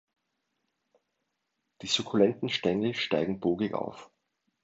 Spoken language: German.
Die sukkulenten Stängel steigen bogig auf.